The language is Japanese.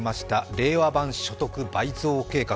令和版・所得倍増計画。